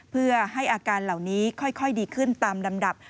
เพื่อให้อาการเหล่านี้ค่อยดีขึ้นตามลำดับ